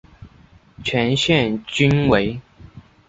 全线均为。